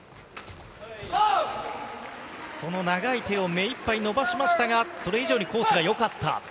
その長い手を目いっぱい伸ばしましたが、それ以上にコースがよかった。